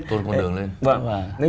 tôn con đường lên